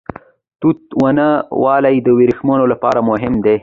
توت ونه ولې د وریښمو لپاره مهمه ده؟